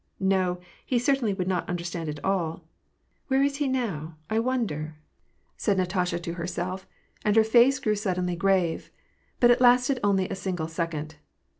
No, he certainly would not understand it all. Where is he now, I wonder ?" said WAn AND PEACE. 277 Natasha to herself, and her face grew suddenly grave. But it lasted only a single second.